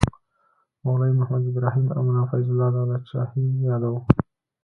مولوي محمد ابراهیم او ملا فیض الله دولت شاهي یادوو.